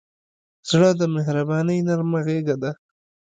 زړه د مهربانۍ نرمه غېږه ده.